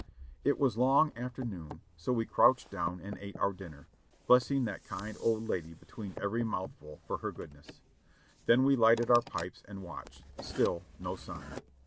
It was long after noon, so we crouched down and ate our dinner, blessing that kind old lady between every mouthful for her good ness. Then we lighted our pipes and watched ; still no sign.